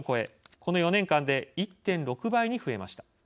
この４年間で１．６倍に増えました。